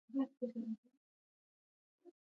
امالي متون چي عالم خپله نه وي ليکلي.